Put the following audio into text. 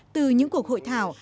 từ những cuộc hội thảo